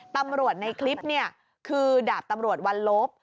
ตำรวจในคลิปคือดาบตำรวจวัลลบ